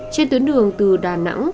trên tuyến đường từ đà nẵng